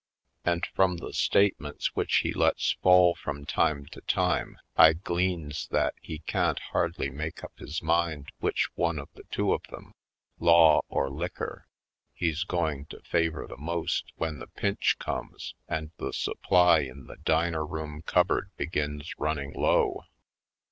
And from the statements which he lets fall from time to time I gleans that he can't hardly make up his mind which one of the two of them — law or liquor — he's going to favor the most when the pinch comes and the supply in the dineroom cupboard be gins running low.